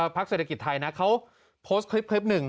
เศรษฐกิจไทยนะเขาโพสต์คลิปหนึ่ง